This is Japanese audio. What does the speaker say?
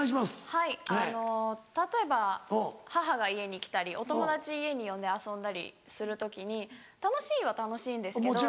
はい例えば母が家に来たりお友達家に呼んで遊んだりする時に楽しいは楽しいんですけど。